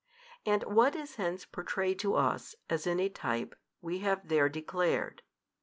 And what is hence pourtrayed to us, as in a type, we have there declared.